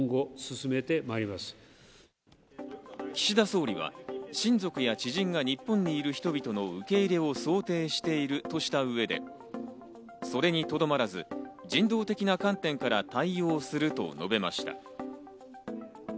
岸田総理は親族や知人が日本にいる人々の受け入れを想定しているとした上で、それにとどまらず、人道的な観点から対応すると述べました。